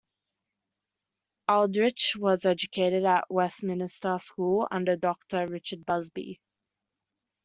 Aldrich was educated at Westminster School under Doctor Richard Busby.